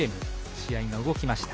試合が動きました。